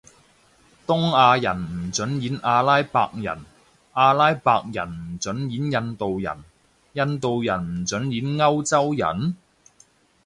東亞人唔准演阿拉伯人，阿拉伯人唔准演印度人，印度人唔准演歐洲人？